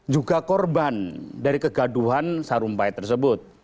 juga korban dari kegaduhan sarumpait tersebut